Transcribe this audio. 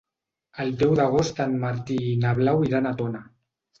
El deu d'agost en Martí i na Blau iran a Tona.